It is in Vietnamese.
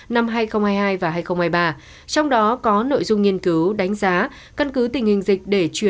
năm hai nghìn hai mươi hai và hai nghìn hai mươi ba trong đó có nội dung nghiên cứu đánh giá cân cứ tình hình dịch để truy